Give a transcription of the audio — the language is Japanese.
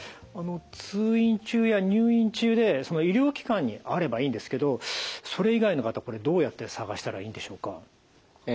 通院中や入院中で医療機関にあればいいんですけどそれ以外の方これどうやって探したらいいんでしょうか。